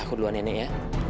aku duluan nenek ya